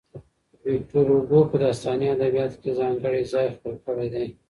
ويکټور هوګو په داستاني ادبياتو کې ځانګړی ځای خپل کړی دی.